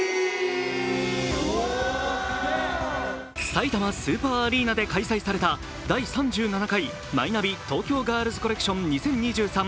さいたまスーパーアリーナで開催された第３７回マイナビ東京ガールズコレクション２０２３